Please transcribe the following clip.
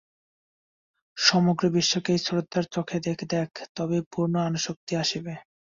সমগ্র বিশ্বকে এই শ্রদ্ধার চক্ষে দেখ, তবেই পূর্ণ অনাসক্তি আসিবে।